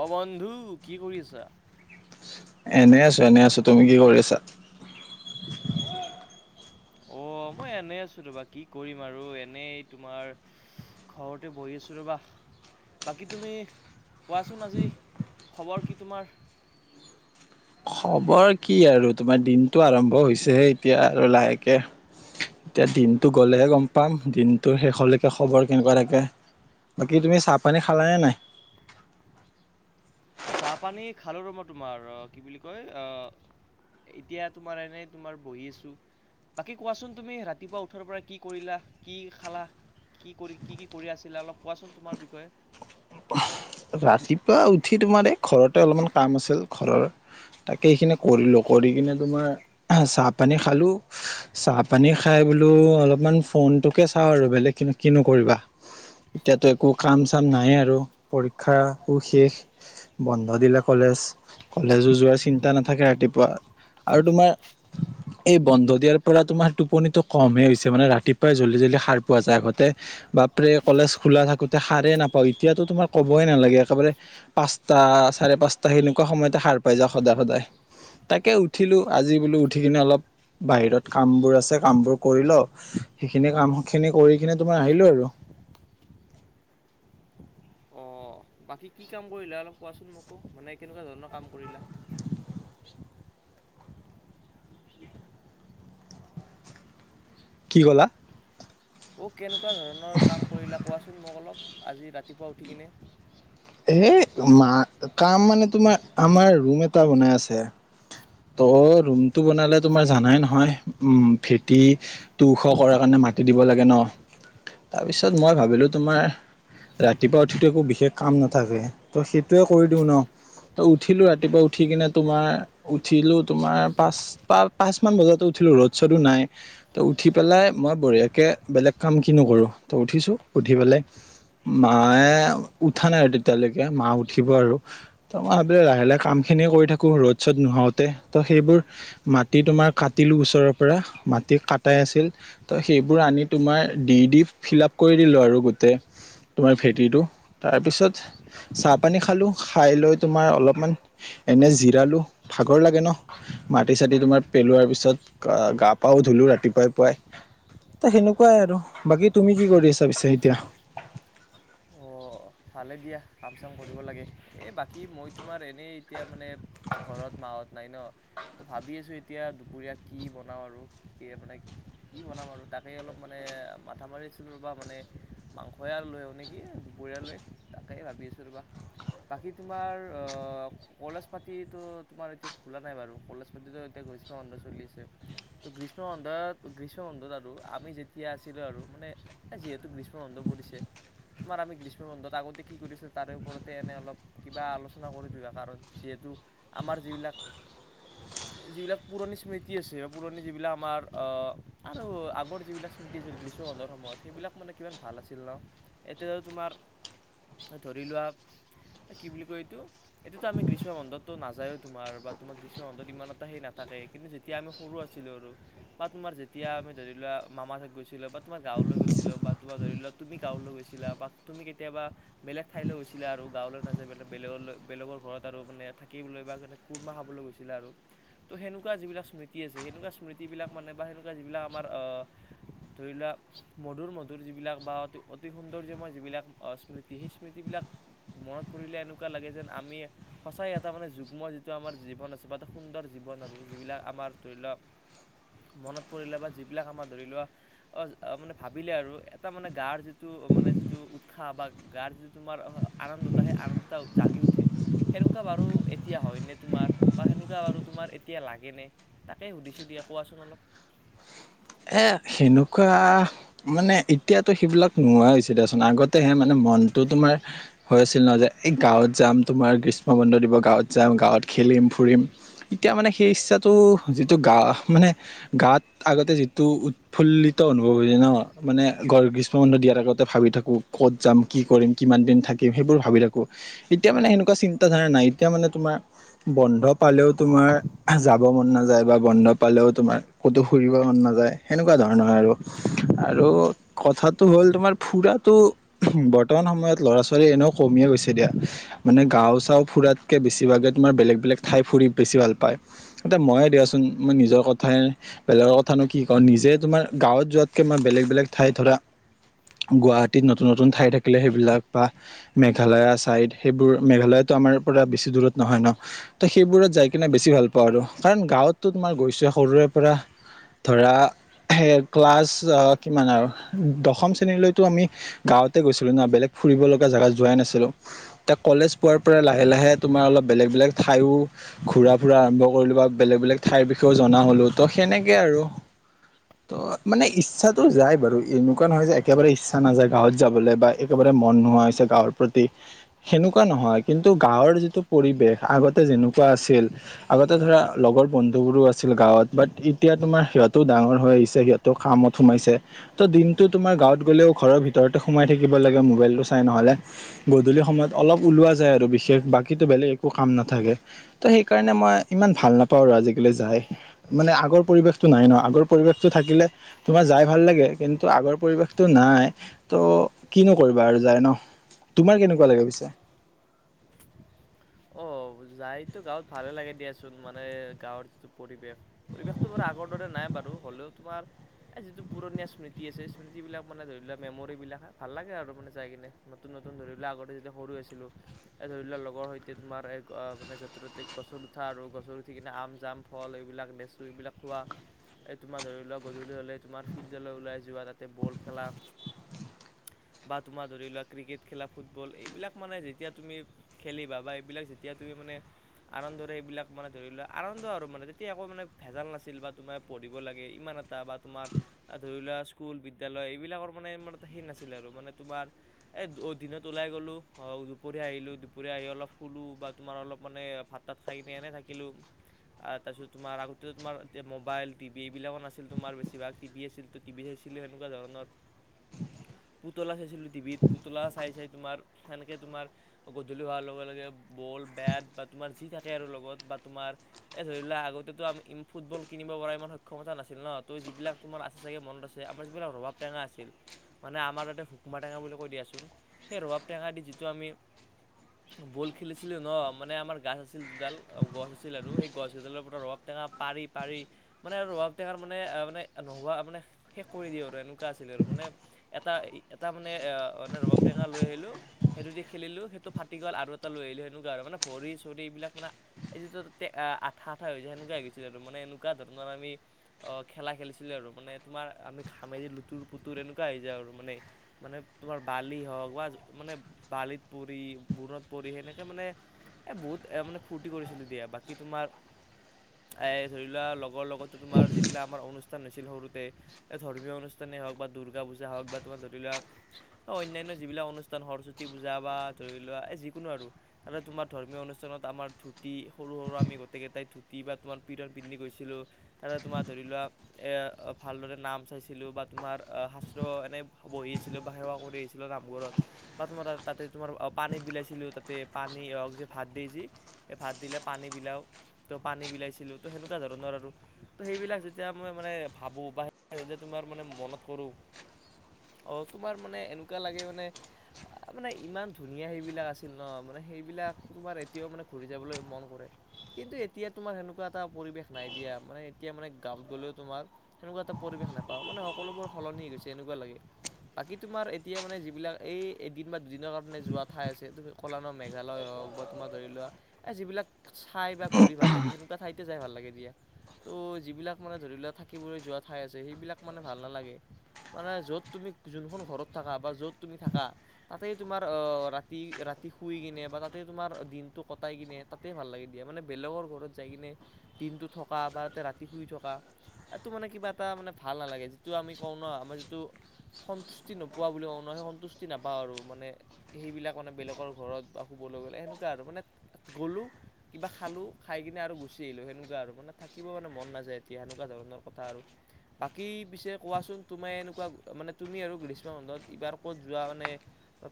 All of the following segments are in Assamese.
অ, বন্ধু, কি কৰি আছা? এনেই আছো, এনেই আছো, তুমি কি কৰি আছা? অ, মই এনেই আছো তোমা, কি কৰিম আৰু এনেই তোমাৰ ঘৰতে বহি আছো ৰ'বা। বাকী তুমি কোৱাচোন আজি, খবৰ কি তোমাৰ? খবৰ কি আৰু তোমাৰ দিনতটো আৰম্ভ হৈছেহে এতিয়া আৰু লাহেকে এতিয়া দিনতটো গ'লেহে গম পাম, দিনটোৰ শেষলৈকে খবৰ কেনেকুৱা থাকে, বাকী তুমি চাহ পানী খালানে নাই? [inaudible] চাহপানী খালো ৰম তোমাৰ। ৰ, কি বুলি কয়, আ এতিয়া তোমাৰ এনেই তোমাৰ বহি আছো। বাকী কোৱাচোন তুমি, ৰাতিপুৱা উঠাৰ পৰা কি কৰিলা? কি খালা? কি কৰি, কি কি কৰি আছিলা অলপ কোৱাচোন তোমাৰ বিষয়ে? ৰাতিপুৱা উঠি তোমাৰ, এই ঘৰতে অলপমান কাম আছিল ঘৰৰ, তাকে সিইখিনি কৰিলো। কৰি কিনে তোমাৰ, চাহপানী খালোঁ। চাহ পানী খাই বোলো, অলপমান ফোনটোকে চাও আৰু বেলেগ কি কিনো কৰিবা। এতিয়াতো একো কাম চাম নাই এই আৰু পৰীক্ষাও শেষ। বন্ধ দিলে কলেজ, কলেজো যোৱাৰ চিন্তা নাথাকে ৰাতিপুৱা, আৰু তোমাৰ [inaudible] এই বন্ধ দিয়াৰ পৰা তোমাৰ টোপনিটো কমহে হৈছে, মানে ৰাতিপুৱাই জলদি জলদি সাৰ পোৱা যায়। আগতে বাপৰে, কলেজ খোলা থাকোতে সাৰেই নাপাওঁ। এতিয়াতো তোমাৰ ক'বই নালাগে, একেবাৰে পাঁচটা চাৰে পাঁচটা সেনেকুৱা সময়তে সাৰ পাই যাওঁ সদায়, সদায়। তাকে উঠিলোঁ, আজি বোলো উঠি কিনে অলপ বাহিৰত কাম বোৰ আছে কাম বোৰ কৰি লও, সেইখিনি কাম খিনি কৰি কিনে তোমাৰ আহিলো আৰু অ, বাকী কি কাম কৰিলা, অলপ কোৱাচোন মোকো মানে কেনেকুৱা ধৰণৰ কাম কৰিলা? কি ক'লা? অ কেনেকুৱা ধৰণৰ কাম কৰিলা কোৱাচোন মোক অলপ। আজি ৰাতিপুৱা উঠি কিনে? এহে মা কাম মানে তোমাৰ আমাৰ ৰুম এটা বনাই আছে। ত ৰুমটো বনালে তোমাৰ জানাই নহয় উম ভেটি টো ওখ কৰাৰ কাৰণে মাটি দিব লাগে ন। তাৰপিছত মই ভাবিলো তোমাৰ, ৰাতিপুৱা উঠিতো একো বিশেষ কাম নাথাকে ত সেইটোৱে কৰি দিওঁ ন। ত উঠিলোঁ ৰাতিপুৱা উঠি কিনে তোমাৰ উঠিলোঁ তোমাৰ পাঁচ পা পাঁচ মান বজাতো উঠিলো ৰদ-চদো নাই। ত উঠি পেলাই মই বঢ়িয়াকে বেলেগ কাম কিনো কৰো, ত উঠিছোঁ উঠি পেলাই মায়ে উঠা নাই আৰু তেতিয়ালৈকে মা উঠিব আৰু ত মই ভাবিলো লাহে লাহে কামখিনিয়ে কৰি থাকো ৰ'দ চ'দ নোহাওতে। ত সেইবোৰ মাটি তোমাৰ কাটিলো ওচৰৰ পৰা, মাটি কটাই আছিল। ত সেইবোৰ আনি তোমাৰ ডি ডি ফিল আপ কৰি দিলো আৰু গোটেই তোমাৰ ভেটিটো। তাৰপিছত চাহ-পানী খালো খাই লৈ তোমাৰ অলপমান এনে জিৰালো ভাগৰ লাগে ন। মাটি-চাতি তোমাৰ পেলোৱাৰ পিছত গা পাও ধুলো ৰাতিপুৱাই পুৱাই। ত সেনেকুৱাই আৰু বাকী তুমি কি কৰি আছা পিছে এতিয়া? অ' ভালে দিয়া কাম চাম কৰিব লাগে, এ বাকী মই তোমাৰ এনেই এতিয়া মানে ঘৰত মাহঁত নাই ন? ত ভাবি আছো এতিয়া দুপৰীয়া কি বনাও আৰু কি মানে কি বনাম আৰু তাকে অলপ মানে মাথা মাৰিছিলো ৰবা মানে মাংসয়া আলু লৈ আহো নেকি দুপৰীয়া লৈ, তাকে ভাবি আছো ৰবা। বাকী তোমাৰ অ কলেজ পাতিতো তোমাৰ এতিয়া খোলা নাই বাৰু কলেজ পাতিতো তে গৈছ অন্ধ চলি আছে। ত গ্ৰীষ্ম বন্ধত গ্ৰীষ্ম বন্ধত আৰু আমি যেতিয়া আছিলো আৰু মানে যিহেত টো গ্ৰীষ্ম বন্ধ পৰিছে তোমাৰ আমি গ্ৰীষ্ম বন্ধত তা আগতে কি কৰিছিল তাৰে ওপৰতে এনেই অলপ কিবা আলোচনা কৰি দুয়ো কাৰণ যিহেতু আমাৰ যিবিলাক যিবিলাক পুৰণি স্মৃতি আছে বা পুৰণি যিবিলাক আমাৰ অহ আৰু আগৰ যিবিলাক স্মৃতি আছিল গ্ৰীষ্মবন্ধৰ সময়ত সেইবিলাক মানে কিমান ভাল আছিল ন। এতিয়া ত তোমাৰ ধৰি লোৱা কি বুলি কয় এইটো এতিটো ত আমি গ্ৰীষ্মবন্ধতটো নাযায়ও তোমাৰ বা তোমাক গ্ৰীষ্ম বন্ধত ইমান এটা সেই নাথাকে কিন্তু যেতিয়া আমি সৰু আছিলো আৰু বা তোমাৰ যেতিয়া আমি ধৰি লোৱা মামা হেত গৈছিলো বাট তোমাৰ গাঁৱলৈ গৈছিলো বা তোমা ধৰি লোৱা তুমি গাঁৱলৈ গৈছিলা বা তুমি কেতিয়াবা বেলেগ ঠাইলৈ গৈছিলে আৰু গাঁৱলৈ নাযায় বেলেগ বেলেগলৈ বেলেগৰ ঘৰত আৰু মানে থাকিবলৈ বা এনে কুৰমা খাবলে গৈছিলে আৰু ত সেনেকুৱা যিবিলাক স্মৃতি আছে সেনেকুৱা স্মৃতিবিলাক মানে বা সেনেকুৱা যিবিলাক আমাৰ অ ধৰি লোৱা মধুৰ মধুৰ যিবিলাক বা অতি সুন্দৰ্য মই যিবিলাক স্মৃত- তিহি স্মৃতিবিলাক মনত পৰিলে এনেকুৱা লাগে যেন আমি সঁচাই এটা মানে যুগ্ম যিটো আমাৰ জীৱন আছে বা এটা সুন্দৰ জীৱন আৰু যিবিলাক আমাৰ ধৰি ল মনত পৰিলে বা যিবিলাক আমাৰ ধৰি লোৱা অ মানে ভাবিলে আৰু এটা মানে গাৰ যিটো মানে যিটো উৎসাহ বা গাৰ যিটো তোমাৰ আনন্দতা সেই আনন্দটা জাগি উঠে। সেনেকুৱা বাৰু এতিয়া হয় নে তোমাৰ বা সেনেকুৱা বাৰু তোমাৰ এতিয়া লাগে নে? তাকে সুধিছোঁ দিয়া কোৱাচোন অলপ? এ সেনেকুৱা মানে এতিয়াতো সেইবিলাক নোহোৱা হৈছে দিয়াচোন আগতেহে মানে। মানে মনটো তোমাৰ,। হৈ আছিল নহয় যে এই গাঁৱত যাম তোমাৰ গ্ৰীষ্ম বন্ধ দিব গাঁৱত যাম গাঁৱত খেলিম,। ফুৰিম এতিয়া মানে সেই ইচ্ছাটো যিটো গা মানে গাঁৱত আগতে যি,। টো উৎফুল্লিত অনুভৱ হয়নে ন মানে গল গ্ৰী। ষ্ম বন্ধ দিয়াৰ আগতে ভাবি থাকো ক'ত যাম কি কৰিম কিমান দিন থাকিম সেইবোৰ ভাবি থাকো। এতিয়া মানে সেনেকুৱা চিন্তাধাৰা নাই এতিয়া মানে তোমাৰ বন্ধ পালেও তোমাৰ যাব মন নাযায় বা বন্ধ পালেও তোমাৰ ক'তো ফুৰিব মন নাযায়। সেনেকুৱা ধৰণৰ হয় আৰু আৰু কথাটো হ'ল তোমাৰ ফুৰাটো। বৰ্তমান সময়ত ল'ৰা ছোৱালী এনেও কমিয়ে গৈছে দিয়া। মানে গাঁও চাওঁ ফুৰাতকে বেছিভাগে তোমাৰ বেলেগ বেলেগ ঠাই ফুৰি বেছি ভাল পায়। এতিয়া ময়ে দিয়াচোন মই নিজৰ কথাই বেলেগৰ কথানো কি কওঁ নিজে তোমাৰ গাঁৱত যোৱাতকে মই বেলেগ বেলেগ ঠাইত ধৰা। গুৱাহাটীত নতুন নতুন ঠাই থাকিলে সেইবিলাক বা মেঘালয়া চাইদ সেইবোৰ মেঘালয়ত আমাৰ পৰা বেছি দূৰত নহয় ন? ত সেইবোৰত যাই কিনে বেছি ভাল পাওঁ আৰু কাৰণ গাঁৱতো তোমাৰ গৈছো সৰুৰে পৰা ধৰা সেই ক্লাছ কিমান আৰু দশম শ্ৰেণীলৈতো আমি। গাঁৱতে গৈছিলো ন বেলেগ ফুৰিব লগা জেগা যোৱাই নাছিলো। এতিয়া কলেজ পোৱাৰ পৰা লাহে লাহে তোমাৰ অলপ বেলেগ বেলেগ ঠাইয়ো ঘুৰা ফুৰা আৰম্ভ কৰিলো বা বেলেগ বেলেগ ঠাইৰ বিষয়েও জনা হলো ত' সেনেকে আৰু। ত মানে ইচ্ছাতো যাই বাৰু এনেকুৱা নহয় যে একেবাৰে ইচ্ছা নাযায় গাঁৱত যাবলে বা, একেবাৰে মন নোহোৱা হৈছে গাঁৱৰ প্ৰতি সেনেকুৱা নহয় কিন্তু গাঁৱৰ যিটো পৰিৱেশ আগতে যেনেকুৱা আছিল। আগতে ধৰা লগৰ বন্ধুবোৰো আছিল গাঁৱত বাট এতিয়া তোমাৰ সিহঁত টো ডাঙৰ হৈ আহিছে সিহঁতো কামত সোমাইছে। ত' দিনটো তোমাৰ গাঁৱত গ'লেও ঘৰৰ ভিতৰতে সোমাই থাকিব লাগে মোবাইলটো চাই নহলে। গধূলি সময়ত অলপ ওলোৱা যায় আৰু বিশেষ বাকী টো বেলেগ একো কাম নাথাকে। ত সেইকাৰণে মই ইমান ভাল নাপাওঁ আৰু আজিকালি যাই, মানে আগৰ পৰিৱেশটো নাই ন? আগৰ পৰিৱেশটো থাকিলে তোমাৰ যাই ভাল লাগে কিন্তু আগৰ পৰিৱেশটো নাই। ত কিনো কৰিবা আৰু যাই ন তোমাৰ কেনেকুৱা লাগে পিছে? অ যাইতো গাঁৱত ভালে লাগে দিয়াচোন মানে গাঁৱৰ যিটো পৰিৱেশ পৰিৱেশটো বাৰু আগৰ দৰে নাই বাৰু হ'লেও তোমাৰ এই যিটো পুৰণীয়া স্মৃতি আছে এই স্মৃতি বিলাক মানে ধৰি লোৱা মেমৰি বিলাক ভাল লাগে আৰু মানে যাই কিনে। নতুন নতুন ধৰি লোৱা আগতে যেতিয়া সৰু আছিলো এই ধৰি লোৱা লগৰ সৈত, তে তোমাৰ এ মানে য'তে ত'তে গছৰ উঠা আৰু গছৰ উঠি কিনে আম জাম ফল এইবিলাক লেচ চু এইবিলাক খোৱা। এই তোমাৰ ধৰি লোৱা গধূলি হলে তোমাৰ ফিল্ডলে ওলাই যোৱা তাতে বল খেলা, বা তোমাৰ ধৰি লোৱা ক্ৰিকেট খেলা ফুটবল এইবিলাক মানে যেতিয়া তুমি খেলি বা বাই। বিলাক যেতিয়া তুমি মানে। আনন্দৰে এইবিলাক মানে ধৰি লোৱা আনন্দ আৰু মানে তেতিয়া একো মানে ভেজাল নাছিল বা তোমাৰ পঢ়িব লাগে ইমান এটা বা তোমাৰ। আ ধৰি লোৱা স্কুল, বিদ্যালয় এইবিলাকৰ মানে ইমান এটা সেই নাছিলে আৰু মানে তোমাৰ। এই দিনত ওলাই গ'লোঁ দুপৰীয়া আহিলোঁ দুপৰীয়া আহি অলপ। শুলো বা তোমাৰ অলপ মানে ভাত তাত খাই কিনে এনেই থাকিলো। আৰু তাৰপিছত তোমাৰগতে তোমাৰ এয়া মোবাইল, টিভি, এইবিলাকো নাছিল তোমাৰ বেছিভাগ টিভি আছিল। টিভি চাইছিলো এনেকুৱা ধৰণৰ পুতলা চাইছিলো। টিভিত পুতলা চাই চাই তোমাৰ সেনেকৈ তোমাৰ গধূলি হোৱাৰ লগে লগে বল বেট বা তোমাৰ যি থাকে আৰু লগত বা তোমাৰ এ ধৰিলা আগতে তো ই ফুটবল কিনিব পৰা ইমান সক্ষমতা নাছিল ন তই যিবিলাক। তোমাৰ আছে চাগে মনত আছে আমাৰ যিবিলাক ৰবাব, টেঙা আছিল। মানে আমাৰ তাতে সুকমা, টেঙা বুলি কৈ দিয়াচোন সেই ৰবাব টেঙা দি যিটো আমি বল, - খেলিছিলোঁ ন মানে আমাৰ গছ আছিল দুডাল গছ আছিল আৰু সেই গছকেইডালৰ পৰা ৰওক টেঙা পাৰি পাৰি। মানে আৰু ৰাৰ মানে মানে নোহোৱা মানে শেষ কৰি দিওঁ আৰু এনেকুৱা আছিলে আৰু মানে এটা এটা মানে মানে ৰবাব টেঙা, লৈ আহিলো সেইটো দি খেলিলো সেইটো ফাটি গ'ল আৰু। তই লৈ আহিলে সেনেকুৱা মানে ভৰি চৰি এইবিলাক মানে। এই যিটো তোৰ তে আঠা আঠা হৈ যোৱা সেনকুৱা হৈ গৈছিল আৰু মানে এনেকুৱা ধৰণৰ আমি অ খেলা খেলিছিলো আৰু মানে তোমাৰ আমি ঘামেদি লুতুৰ পুতুৰ এনেকুৱা হৈ যায়। আৰু মানে মানে তোমাৰ বালি হওক বা মানে বালিত পৰি বনত পৰি সেনেকে মানে এই বহুত মানে ফূৰ্তি কৰিছিলো দিয়া বাকী তোমাৰ এ ধৰি লোৱা লগৰ লগতো তোমাৰ যিবিলাক আমাৰ অনুষ্ঠান হৈছিল সৰুতে এ ধৰ্মীয় অনুষ্ঠানেই হওক বা দুৰ্গা পূজা হওক বা তোমাৰ ধৰি লোৱা। অ অন্যান্য যিবিলাক অনুষ্ঠান সৰস্বতী, পূজা বা ধৰি লোৱা এ যিকোনো আৰু তাৰে তোমাৰ ধৰ্মীয় অনুষ্ঠানত আমাৰ ধুতি সৰু সৰু আমি গোটেকেইটাই ধুতি বা তোমাৰ পীৰন পিন্ধি গৈছিলোঁ। তাৰে তোমাৰ ধৰি লোৱা। এ ভালদৰে নাম চাইছিলো বা তোমাৰ শাস্ত্ৰ এনে বহি আছিলো বা সেৱা কৰি আছিলো। নাম ঘৰত বা তোমাৰ তাতে তোমাৰ অ পানী বিলাইছিলো তাতে পানী হওক যে ভাত দিয়ে যে সেই ভাত দিলে পানী বিলাও ত পানী বিলাইছিলো তো সেনেকুৱা ধৰণৰ আৰু ত সেইবিলাক যেতিয়া মই মানে ভাবো বা যে তোমাৰ মানে মনত কৰো অঁ তোমাৰ মানে এনেকুৱা লাগে মানে মানে ইমান ধুনীয়া সেইবিলাক আছে। আছিল ন মানে সেইবিলাক তোমাৰ এতিয়াও মানে ঘূৰি যাবলৈ মন কৰে। কিন্তু এতিয়া তোমাৰ সেনেকুৱা এটা পৰিৱেশ নাই দিয়া মানে এতিয়া মানে গাঁৱত গ'লেও তোমাৰ সেনেকুৱা এটা পৰিৱেশ নাপাওঁ মানে সকলোবোৰ সলনি হৈ গৈছে এনেকুৱা লাগে। বাকী তোমাৰ এতিয়া মানে যিবিলাক এই এদিন বা দুদিনৰ কাৰণে যোৱা ঠাই আছে তুমি- কলানৰ মেঘালয় হওক বা তোমাৰ ধৰি লোৱা। এ যিবিলাক চাই বা ঘূৰি ভাল লাগে সেনেকুৱা ঠাইতে যাই ভাল লাগে দিয়া। ত' যিবিলাক মানে ধৰি লোৱা থাকিবলৈ যোৱা ঠাই আছে সেইবিলাক মানে ভাল নালাগে। মানে য'ত তুমি যোনখন ঘৰত থাকা বা য'ত তুমি থাকা তাতে তোমাৰ অ ৰাতি ৰাতি ৰাতি শুই কিনে বা তাতে তোমাৰ দিনটো কটাই কিনে তাতে ভাল লাগে দিয়া মানে বেলেগৰ ঘৰত যাই কিনে দিনটো থকা বা আতে ৰাতি শুই থকা এটো মানে কিবা এটা মানে ভাল নালাগে যিটো আমি কওঁ ন আমাৰ যিটো। সন্তুষ্টি নোপোৱা বুলি কওঁ ন সেই সন্তুষ্টি নাপাওঁ আৰু মানে সেইবিলাক মানে বেলেগ। ঘৰত বা শুবলৈ গ'লে সেনেকুৱা আৰু মানে গ'লো। কিবা খালোঁ খাই কিনে আৰু গুচি আহিলোঁ সেনেকুৱা আৰু মানে থাকিব মানে মন নাযায়। এতিয়া সেনেকুৱা ধৰণৰ কথা আৰু বাকী পিছে কোৱাচোন তোমাৰ এনেকুৱা মানে তুমি আৰু গ্ৰীষ্ম, বন্ধত এইবাৰ ক'ত যোৱা মানে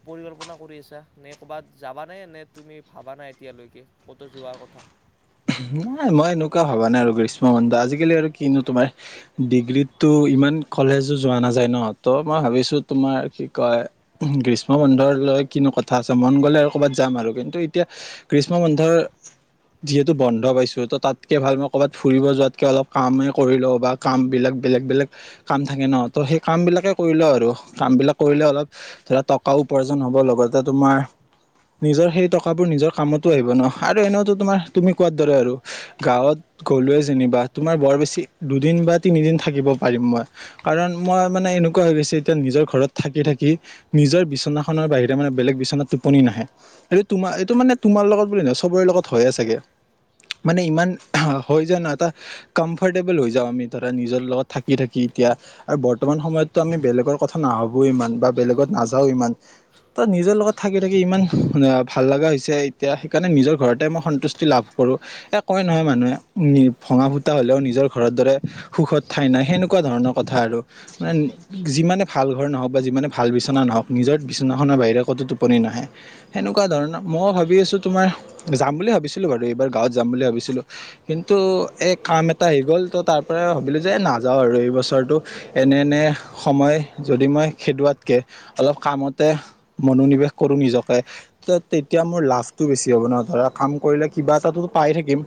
পৰিকল্পনা কৰি আছা? নে ক'বাত যাবানে? নে তুমি ভাবা নাই এতিয়ালৈকে ক'তো যোৱাৰ কথা? নাই, মই এনেকুৱা ভাবা নাই আৰু গ্ৰীষ্ম বন্ধ আজিকালি আৰু কিনো তোমাৰ ডিগ্ৰীতটো ইমান কলেজো যোৱা নাযায় ন! ত মই ভাবিছোঁ তোমাৰ কয়, গ্ৰীষ্ম বন্ধৰ লৈ কিনো কথা আছে মন গ'লে আৰু ক'বাত যাম আৰু। কিন্তু এতিয়া গ্ৰীষ্ম বন্ধৰ টো, বন্ধ পাইছোঁ ত' তাতকে ভাল মই ক'বাত ফুৰিব যোৱাতকে অলপ কামেই কৰি লওঁ, বা কামবিলাক বেলেগ বেলেগ কাম থাকে ন! তো সেই কামবিলাকে কৰি লওঁ আৰু কামবিলাক কৰিলে অলপ ধৰা টকাও উপাৰ্জন হ'ব, লগতে তোমাৰ নিজৰ সেই টকাবোৰ নিজৰ কামতো আহিব ন! আৰু এনেওতো তোমাৰ তুমি কোৱাৰ দৰে আৰু গাঁৱত গ'লোৱে যেনিবা তোমাৰ বৰ বেছি দুদিন বা তিনিদিন থাকিব পাৰিম মই। কাৰণ মই মানে-এনেকুৱা হৈ গৈছে এতিয়া নিজৰ ঘৰত থাকি, থাকি নিজৰ বিচনাখনৰ বাহিৰে মানে বেলেগ বিচনাত টোপনি নাহে। এইটো তোমাৰ এইটো মানে তোমাৰ লগত বুলি নহয়, চবৰে লগত হয়য়ে চাগে। মানে ইমান হৈ যায় ন! এটা কম্ফৰ্টেবল হৈ যাওঁ, আমি ধৰা নিজৰ লগত থাকি থাকি এতিয়া আৰু বৰ্তমান সময়ততো আমি বেলেগৰ কথা নাভাবো ইমান বা বেলেগত নাযাও ইমান। তাত, নিজৰ লগত থাকি থাকি ইমান ভাল লাগা হৈছে এতিয়া সেইকাৰণে নিজৰ ঘৰতে মই সন্তুষ তি লাভ কৰোঁ, এ কয় নহয় মানুহে -ভঙা ফুটা হ'লেও নিজৰ ঘৰৰ দৰে সুখত ঠাই নাই, সেনেকুৱা ধৰণৰ কথা আৰু। মানে, যিমানে ভাল ঘৰ নহওক বা যিমানে ভাল বিচনা নহওক নিজৰ বিচনাখনৰ বাহিৰে ক'তো টোপনি নাহে। সেনেকুৱা ধৰণৰ মইও ভাবি আছো তোমাৰ যাম বুলি ভাবিছিলো বাৰু এইবাৰ গাঁৱত যাম বুলি ভাবিছিলো। কিন্তু এই কাম এটা আহি গ'ল ত' তাৰ পৰা ভাবিলো যে নাযাও আৰু। এই বছৰটো এনে, এনে সময় যদি মই খেদোৱাতকে অলপ কামতে মনোনিৱেশ কৰো, নিজকে ত তেতিয়া মোৰ লাভটো বেছি হ'ব ন ধৰা কাম কৰিলে কিবা এটাতো পাই থাকিম।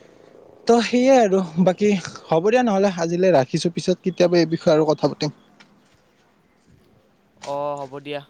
[inaudible] ত' সেয়াই আৰু বাকী হ'ব দিয়া নহ'লে, আজিলৈ ৰাখিছো। পিছত কেতিয়াবা এই বিষয়ে আৰু কথা পাতিম। অ হ'ব দিয়া!